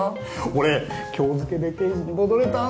俺今日付で刑事に戻れたんすよ。